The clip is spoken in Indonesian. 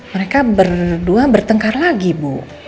mereka berdua bertengkar lagi bu